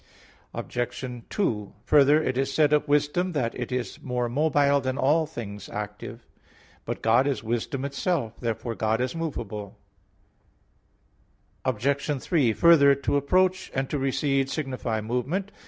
Obj. 2: Further, it is said of Wisdom, that "it is more mobile than all things active [Vulg. 'mobilior']" (Wis. 7:24). But God is wisdom itself; therefore God is movable. Obj. 3: Further, to approach and to recede signify movement.